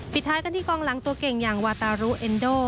ท้ายกันที่กองหลังตัวเก่งอย่างวาตารุเอ็นโด